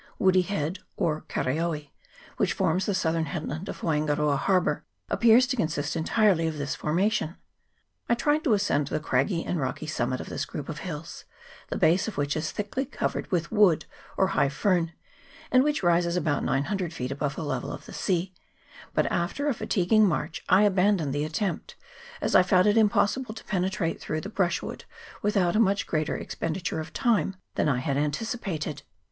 Woody Head, or Karaoe, which, forms the southern head land of Waingaroa Harbour, appears to consist en tirely of this formation. I tried to ascend the craggy and rocky summit of this group of hills, the base of which is thickly covered with wood or high fern, and which rises about 900 feet above the level of the sea ; but after a fatiguing march I abandoned the attempt, as I found it impossible to penetrate through the brushwood without a much greater expenditure of time than I had anticipated.